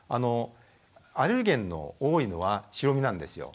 アレルゲンの多いのは白身なんですよ。